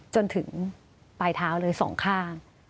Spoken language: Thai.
จนถึงปลายเท้าเลยสองข้าง